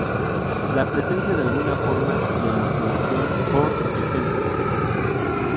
La presencia de alguna forma de amortiguación, por ej.